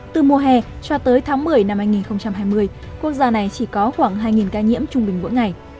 từ mùa hè cho tới tháng một mươi năm hai nghìn hai mươi quốc gia này chỉ có khoảng hai ca nhiễm trung bình mỗi ngày